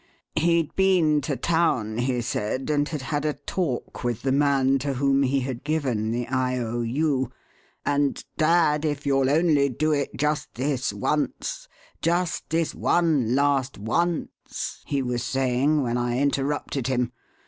He'd been to town, he said, and had had a talk with the man to whom he had given the I. O. U., 'and dad, if you'll only do it just this once just this one last once!' he was saying when I interrupted him.